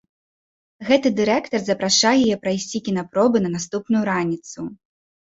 Гэты дырэктар запрашае яе прайсці кінапробы на наступную раніцу.